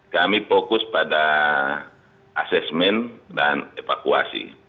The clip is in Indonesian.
kami fokus pada asesmen dan evakuasi